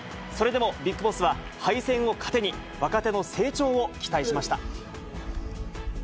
それでもＢＩＧＢＯＳＳは、敗戦を糧に、若手の成長を期待しました。